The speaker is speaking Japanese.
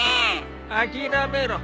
諦めろ。